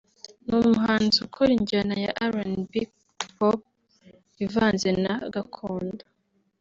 Ni umuhanzi ukora injyana ya RnB/Pop ivanze na Gakondo